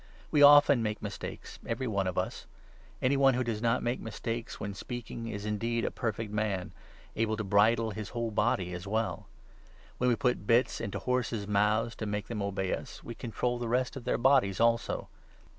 We often make mistakes, 2 every one of us. Any one who does not make mistakes when speaking is indeed a perfect man, able to bridle his whole body as well. When we put bits into horses' mouths, to make them 3 obey us, we control the rest of their bodies also.